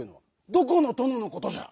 どこのとののことじゃ？